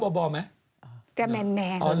มือไม้จะเป็นแมนหน่อย